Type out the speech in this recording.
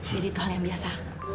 jadi itu hal yang biasa